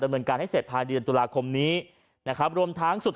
ดันเงินการให้เสร็จพาโดยตุภาคมนี้นะครับรวมทางสุด